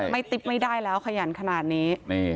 ติ๊บไม่ได้แล้วขยันขนาดนี้